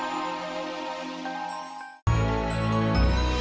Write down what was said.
kenapa jadi aku sih yang dimarahin